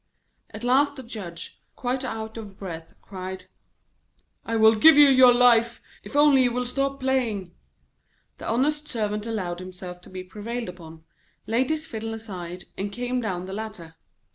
At last the Judge, quite out of breath, cried: 'I will give you your life, if only you will stop playing.' The honest Servant allowed himself to be prevailed upon, laid his fiddle aside, and came down the ladder.